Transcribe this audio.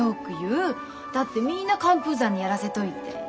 だってみんな寒風山にやらせといて。